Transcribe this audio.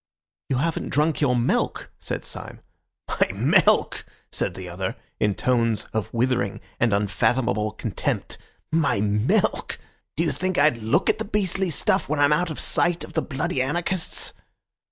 "You haven't drunk your milk," said Syme. "My milk!" said the other, in tones of withering and unfathomable contempt, "my milk! Do you think I'd look at the beastly stuff when I'm out of sight of the bloody anarchists?